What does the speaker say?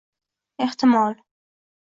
Ehtimol